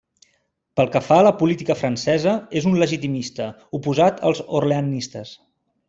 Pel que fa a la política francesa és un legitimista, oposat als orleanistes.